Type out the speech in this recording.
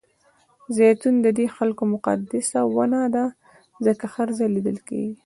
زیتون ددې خلکو مقدسه ونه ده ځکه هر ځای لیدل کېږي.